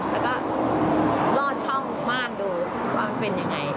แล้วก็ลอดช่องบ้านดูว่าเป็นยังไง